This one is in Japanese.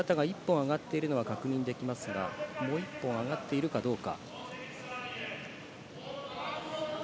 今、青い旗が１本、上がっているのは確認できますが、もう一本上がっているかどうか。